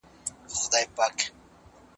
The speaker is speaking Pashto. موږ په دغه باغ کي نه بېدېدلو.